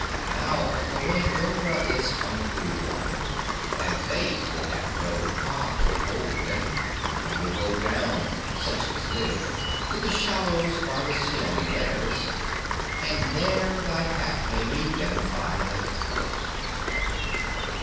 Now the Waingunga is hungry water, and they will have no Kaa to hold them, but will go down, such as live, to the shallows by the Seeonee lairs, and there thy Pack may meet them by the throat."